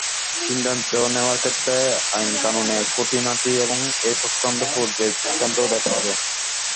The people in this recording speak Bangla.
সিদ্ধান্ত নেওয়ার ক্ষেত্রে আইনকানুনের খুঁটিনাটি এবং এ-সংক্রান্ত পূর্বের দৃষ্টান্তও দেখা হবে।